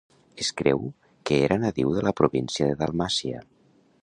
Es creu que era nadiu de la província de Dalmàcia.